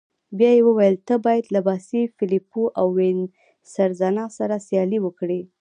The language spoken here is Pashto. بیا يې وویل: ته باید له باسي، فلیپو او وینسزنا سره سیالي وکړې.